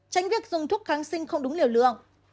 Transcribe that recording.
tránh việc dùng thuốc kháng sinh không đúng liều lượng